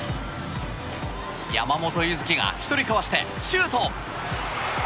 山本柚月が１人かわしてシュート！